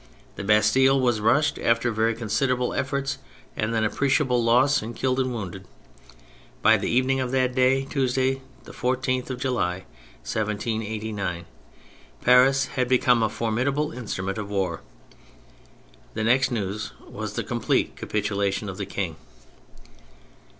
The Bastille was rushed, after very considerable efforts and an appreciable loss in killed and wounded. By the evening of that day, Tuesday, the 14th of July, 1789, Paris had become a formid able instrument of war. The next news was the complete capitulation of the King.